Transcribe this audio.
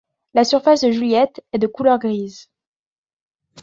La surface de Juliette est de couleur grise.